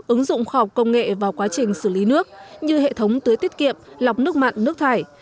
ứng dụng khoa học công nghệ vào quá trình xử lý nước như hệ thống tưới tiết kiệm lọc nước mặn nước thải